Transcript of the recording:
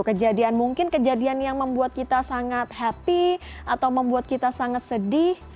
kejadian mungkin kejadian yang membuat kita sangat happy atau membuat kita sangat sedih